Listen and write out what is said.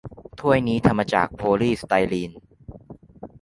ถ้วยนี้ทำมาจากโพลีสไตรีน